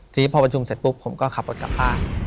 ทีนี้พอประชุมเสร็จปุ๊บผมก็ขับรถกลับบ้าน